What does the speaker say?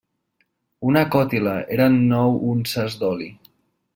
Una còtila eren nou unces d'oli.